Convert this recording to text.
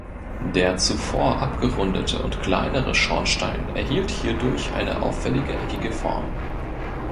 Der zuvor abgerundete und kleinere Schornstein erhielt hierdurch eine auffällige eckige Form.